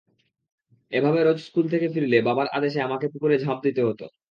এভাবে রোজ স্কুল থেকে ফিরলে বাবার আদেশে আমাকে পুকুরে ঝাঁপ দিতে হতো।